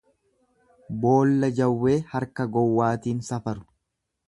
Boolla jawwee harka gowwaatiin safaru.